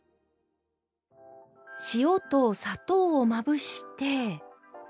塩と砂糖をまぶして。